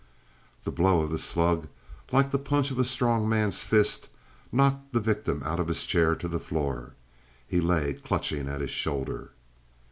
The blow of the slug, like the punch of a strong man's fist, knocked the victim out of his chair to the floor. He lay clutching at his shoulder.